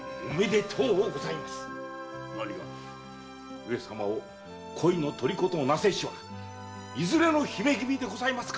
上様を恋の虜となせしはいずれの姫君でございますか？